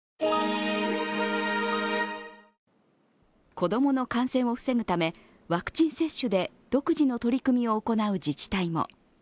子供の感染を防ぐためワクチン接種で独自の取り組みを行う自治体も。